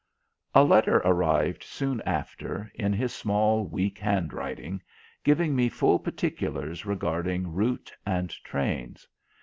A letter arrived soon after, in his small weak handwriting, giving me full particulars regarding route and trains.